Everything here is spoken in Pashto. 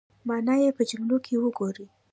مانا یې په جملو کې وګورئ